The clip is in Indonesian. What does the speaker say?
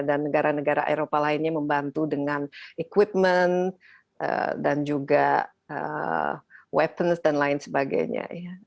dan negara negara eropa lainnya membantu dengan equipment dan juga weapons dan lain sebagainya